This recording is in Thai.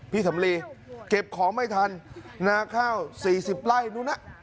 พี่สำลีเก็บของไม่ทันนาข้าวสี่สิบไล่นู่น่ะ